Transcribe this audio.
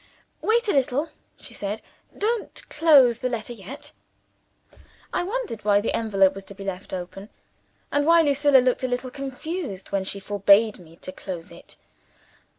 "Wait a little," she said. "Don't close the letter yet." I wondered why the envelope was to be left open, and why Lucilla looked a little confused when she forbade me to close it.